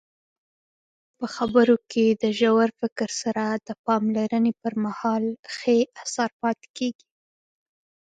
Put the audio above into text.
په خبرو کې د ژور فکر سره د پاملرنې پرمهال ښې اثار پاتې کیږي.